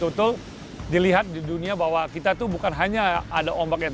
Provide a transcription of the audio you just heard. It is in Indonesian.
untuk dapat info terbaru dari kami